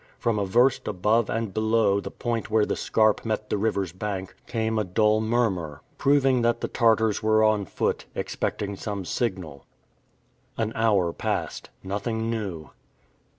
From a verst above and below the point where the scarp met the river's bank, came a dull murmur, proving that the Tartars were on foot, expecting some signal. An hour passed. Nothing new.